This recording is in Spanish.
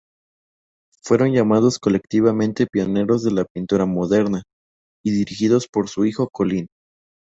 Fueron llamados colectivamente "Pioneros de la pintura moderna", y dirigidos por su hijo Colin.